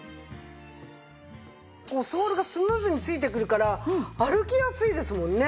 こうソールがスムーズについてくるから歩きやすいですもんね。